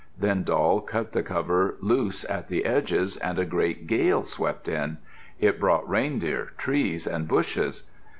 Then Doll cut the cover loose at the edges, and a great gale swept in. It brought reindeer, trees, and bushes.